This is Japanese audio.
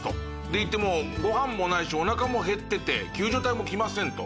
「いってもご飯もないしおなかも減ってて救助隊も来ません」と。